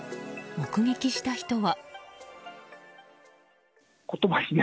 目撃した人は。